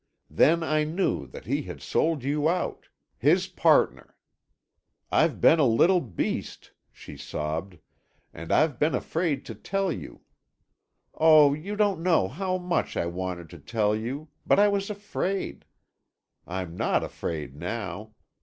Then I knew that he had sold you out—his partner. I've been a little beast," she sobbed, "and I've been afraid to tell you. Oh, you don't know how much I wanted to tell you; but I was afraid. I'm not afraid now.